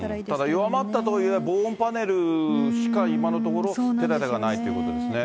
ただ、弱まったとはいえ、防音パネルしか今のところ、手だてがないということですね。